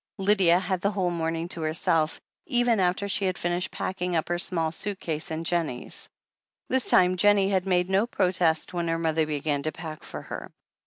Lydia had the whole morning to herself, even after she had finished packing up her small suit case and Jennie's. This time Jennie had made no protest when her mother began to pack for her.